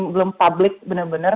belum publik benar benar